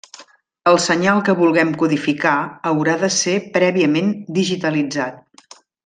El senyal que vulguem codificar haurà de ser prèviament digitalitzat.